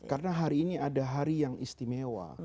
karena hari ini ada hari yang istimewa